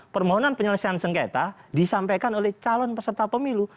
permohonan penyelesaian sengketa disampaikan oleh calon peserta pemilu